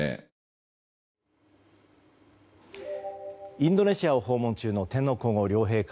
インドネシアを訪問中の天皇・皇后両陛下。